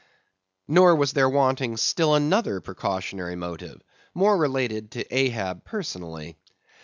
Nor was there wanting still another precautionary motive more related to Ahab personally.